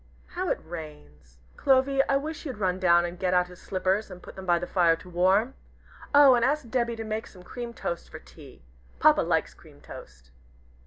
How it rains! Clovy, I wish you'd run down and get out his slippers and put them by the fire to warm. Oh, and ask Debby to make some cream toast for tea! Papa likes cream toast."